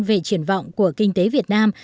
về triển vọng của kinh tế việt nam